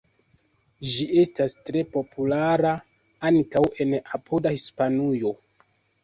Ĝi estas tre populara ankaŭ en apuda Hispanujo.